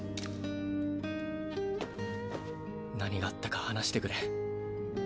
何があったか話してくれ。